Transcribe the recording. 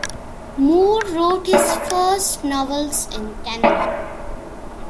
Moore wrote his first novels in Canada.